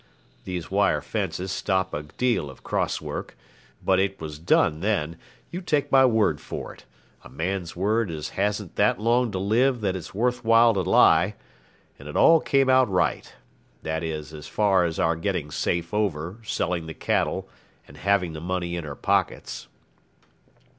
These wire fences stop a deal of cross work; but it was done then, you take my word for it a man's word as hasn't that long to live that it's worth while to lie and it all came out right; that is as far as our getting safe over, selling the cattle, and having the money in our pockets.